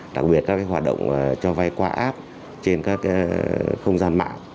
đặc biệt các hoạt động cho vay qua app trên các không gian mạng